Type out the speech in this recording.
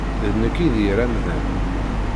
D nekk i d yir amdan.